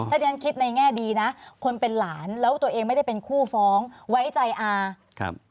ถ้าที่ฉันคิดในแง่ดีนะคนเป็นหลานแล้วตัวเองไม่ได้เป็นคู่ฟ้องไว้ใจอาครับ